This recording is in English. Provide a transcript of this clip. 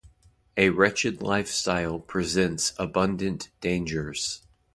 A wretched lifestyle presents abundant dangers.